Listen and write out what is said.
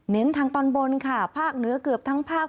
เน้นทางตอนบนค่ะภาคเหนือเกือบทั้งภาค